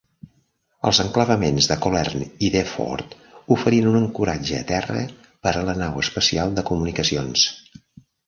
Els enclavaments de Colerne i Defford oferien un ancoratge a terra per a la nau espacial de comunicacions.